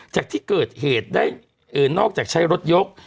จากที่เกิดเหตุได้นอกจากใช้รถยก